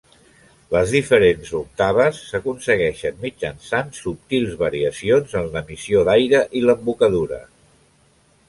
Les diferents octaves s'aconsegueixen mitjançant subtils variacions en l'emissió d'aire i l'embocadura.